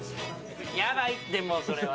やばいって、もうそれは。